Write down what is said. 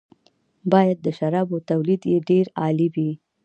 باید د شرابو تولید یې ډېر عالي وي.